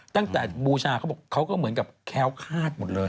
ตั้งแต่บูชาเขาก็เหมือนกับแค้วคาดหมดเลย